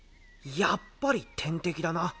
やっぱり天敵だな。